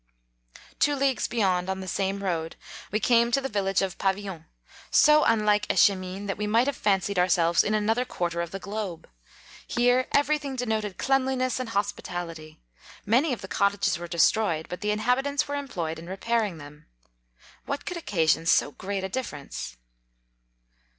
Two leagues beyond, on the same 25 road, we came to the village of Pavil ion, so unlike Echemine, that we might have fancied ourselves in another quar ter of the globe ; here every thing de noted cleanliness and hospitality ; many of the cottages were destroyed, but the inhabitants were employed in repairing them. What could occasion so great a difference